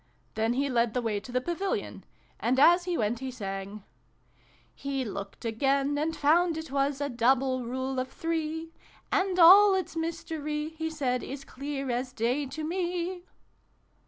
Then he led the way to the Pavilion ; and as he went he sang : "He looked again, and found it was A Double Rule of Three :' And all its Mystery' he said, Is clear as day to me